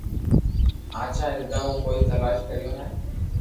ھاچا ھردا مون ڪوئي تلاݾ ڪريو ھي